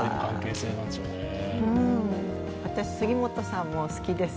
私、杉本さんも好きです。